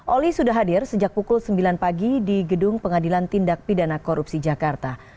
oli sudah hadir sejak pukul sembilan pagi di gedung pengadilan tindak pidana korupsi jakarta